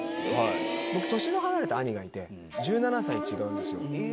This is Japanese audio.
僕年の離れた兄がいて１７歳違うんですよ。